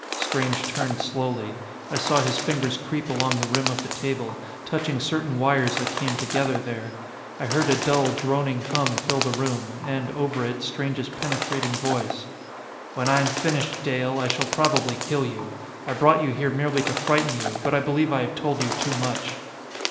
Strange turned slowly. I saw his fingers creep along the rim of the table, touching certain wires that came together there. I heard a dull, droning hum fill the room, and, over it, Strange's penetrating voice. "When I am finished, Dale, I shall probably kill you. I brought you here merely to frighten you, but I believe I have told you too much."